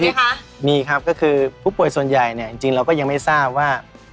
มีคะมีครับก็คือผู้ป่วยส่วนใหญ่เนี่ยจริงจริงเราก็ยังไม่ทราบว่า